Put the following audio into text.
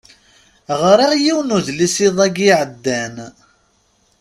Ɣriɣ yiwen udlis iḍ-agi iɛeddan.